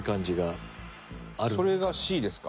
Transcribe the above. それがＣですか？